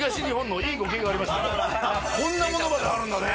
こんなものまであるんだね。